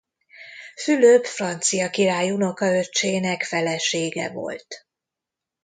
Fülöp francia király unokaöccsének felesége volt.